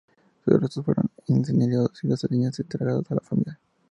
Sus restos fueron incinerados, y las cenizas entregadas a la familia.